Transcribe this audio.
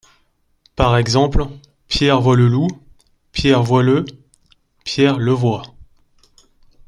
Par exemple, Pierre voit le loup → Pierre voit le → Pierre le voit.